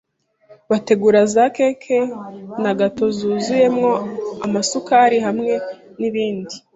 bategura za keke na gato zuzuyemo amasukari hamwe n’ibindi